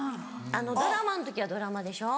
ドラマの時はドラマでしょ